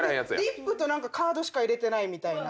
リップとカードしか入れてないみたいな。